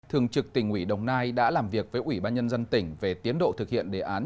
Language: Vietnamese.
thường trực tỉnh ủy đồng nai đã làm việc với ủy ban nhân dân tỉnh về tiến độ thực hiện đề án